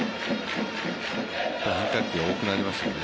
変化球が多くなりますよね